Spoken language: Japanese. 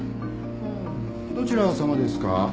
どちら様ですか？